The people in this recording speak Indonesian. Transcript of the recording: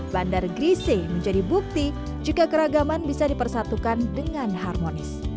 bandar grise menjadi bukti jika keragaman bisa dipersatukan dengan harmonis